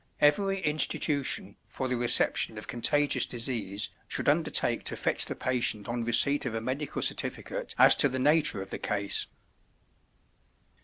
Every institution for the reception of contagious disease should undertake to fetch the patient on receipt of a medical certificate as to the nature of the case.